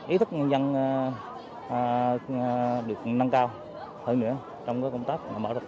ý thức nhân dân được nâng cao hơn nữa trong các công tác